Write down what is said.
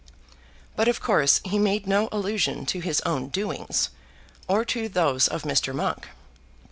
But of course he made no allusion to his own doings, or to those of Mr. Monk.